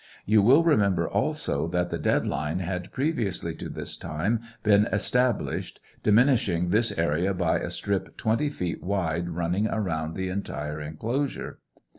You will remember also that the dead line had previously to this time been established, diminishing this area by a strip twenty feet wide running around the entire enclosure.